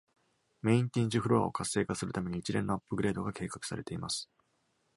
メイン展示フロアを活性化するために、一連のアップグレードが計画されています。